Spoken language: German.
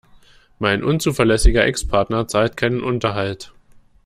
Mein unzuverlässiger Ex-Partner zahlt keinen Unterhalt.